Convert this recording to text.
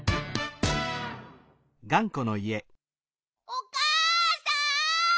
・おかあさん！